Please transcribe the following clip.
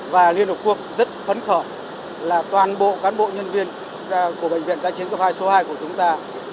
và liên hợp quốc rất phấn khởi là toàn bộ cán bộ nhân viên của bệnh viện giã chiến cấp hai số hai của chúng ta